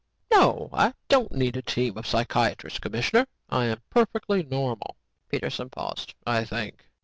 No, I don't need a team of psychiatrists, commissioner. I am perfectly normal." Peterson paused. "I think!"